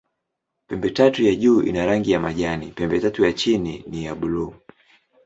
Pembetatu ya juu ina rangi ya majani, pembetatu ya chini ni ya buluu.